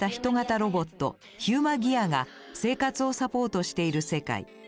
ロボットヒューマギアが生活をサポートしている世界。